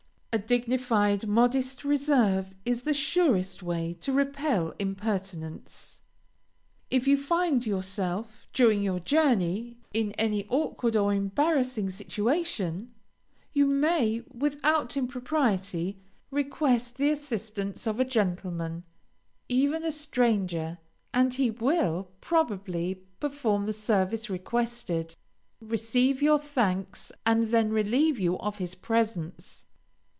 A dignified, modest reserve is the surest way to repel impertinence. If you find yourself, during your journey, in any awkward or embarrassing situation, you may, without impropriety, request the assistance of a gentleman, even a stranger, and he will, probably, perform the service requested, receive your thanks, and then relieve you of his presence.